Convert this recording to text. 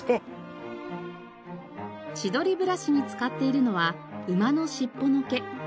千鳥ブラシに使っているのは馬のしっぽの毛。